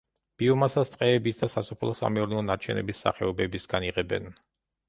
ბიომასას ტყეების და სასოფლო-სამეურნეო ნარჩენების სახეობებისგან იღებენ.